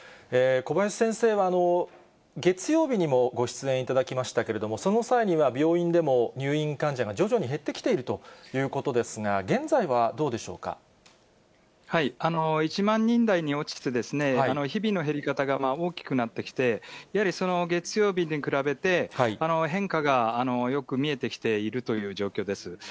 小林先生は、月曜日にもご出演いただきましたけれども、その際には、病院でも入院患者が徐々に減ってきているということですが、１万人台に落ちて、日々の減り方が大きくなってきて、やはり月曜日に比べて、変化がよく見えてきているという状況です。